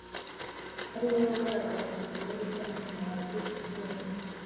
ari we wagaragaje iki kibazo cy’amashanyarazi ahenze